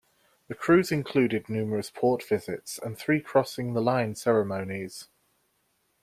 The cruise included numerous port visits and three crossing the line ceremonies.